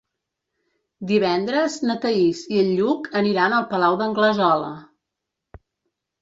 Divendres na Thaís i en Lluc aniran al Palau d'Anglesola.